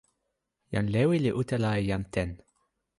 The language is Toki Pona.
jan Lewi li utala e jan Ten.